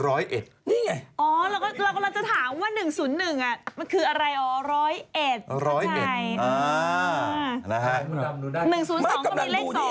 อ๋อเรากำลังจะถามว่า๑๐๑คืออะไรอ่ะ๑๐๑